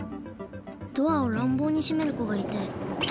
ドアをらんぼうにしめる子がいて。